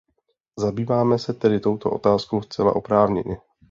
Zabýváme se tedy touto otázkou zcela oprávněně.